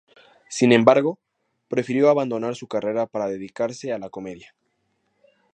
Sin embargo, prefirió abandonar su carrera para dedicarse a la comedia.